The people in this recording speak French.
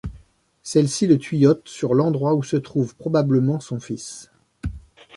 Celle-ci le tuyaute sur lʼendroit où se trouve probablement son fils.